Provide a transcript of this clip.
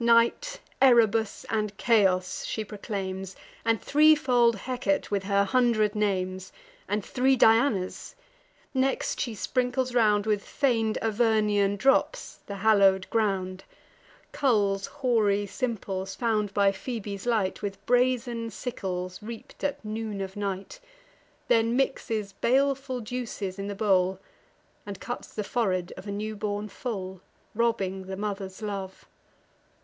Night, Erebus, and Chaos she proclaims, And threefold Hecate, with her hundred names, And three Dianas: next, she sprinkles round With feign'd Avernian drops the hallow'd ground; Culls hoary simples, found by Phoebe's light, With brazen sickles reap'd at noon of night; Then mixes baleful juices in the bowl, And cuts the forehead of a newborn foal, Robbing the mother's love.